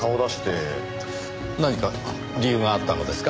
何か理由があったのですか？